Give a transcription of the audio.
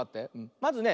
まずね。